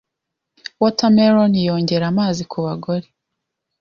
Watermelon yongera amazi kubagore